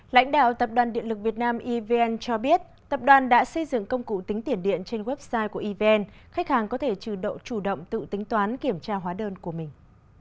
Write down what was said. lãnh đạo tập đoàn điện lực việt nam evn cho biết tập đoàn đã xây dựng công cụ tính tiền điện trên website của evn khách hàng có thể trừ độ chủ động tự tính toán kiểm tra hóa đơn của mình